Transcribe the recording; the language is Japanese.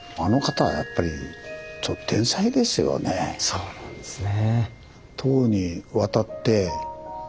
そうなんですね。